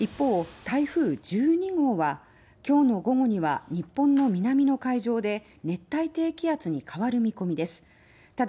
一方、台風１２号は今日の午後には日本の南の海上で熱帯低気圧に変わる見込みです。